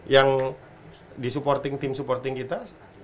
yang di supporting tim supporting kita